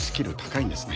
いいですね